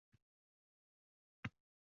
Agar sal yomonligi bo‘lsa aytabering.